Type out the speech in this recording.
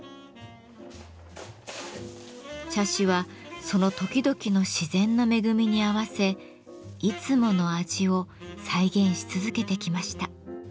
茶師はその時々の自然の恵みに合わせ「いつもの味」を再現し続けてきました。